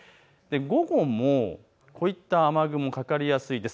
午後もこういった雨雲かかりやすいです。